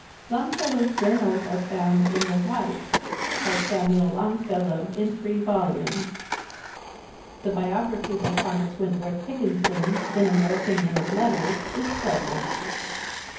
Longfellow's journals are found in the "Life" by Samuel Longfellow, in three volumes. The biography by Thomas Wentworth Higginson in American Men of Letters is pleasant.